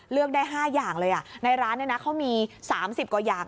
เลือกได้๕อย่างเลยในร้านเนี่ยนะเขามี๓๐กว่าอย่าง